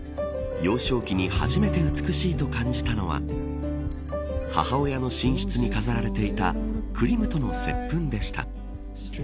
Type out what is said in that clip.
幼少期に初めて美しいと感じたのは母親の寝室に飾られていたクリムトの接吻でした。